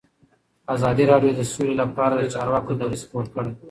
ازادي راډیو د سوله لپاره د چارواکو دریځ خپور کړی.